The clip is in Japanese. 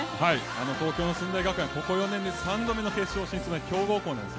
東京の駿台学園はここ４年で３度目の決勝進出の強豪校です。